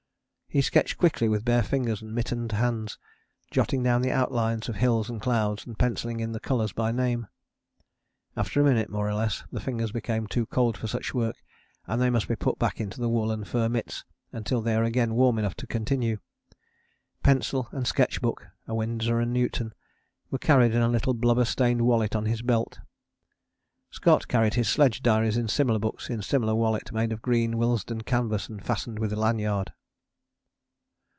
He sketched quickly with bare fingers and mittened hands, jotting down the outlines of hills and clouds, and pencilling in the colours by name. After a minute, more or less, the fingers become too cold for such work, and they must be put back into the wool and fur mitts until they are again warm enough to continue. Pencil and sketch book, a Winsor and Newton, were carried in a little blubber stained wallet on his belt. Scott carried his sledge diaries in similar books in a similar wallet made of green Willesden canvas and fastened with a lanyard.